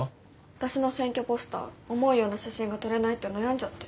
私の選挙ポスター思うような写真が撮れないって悩んじゃって。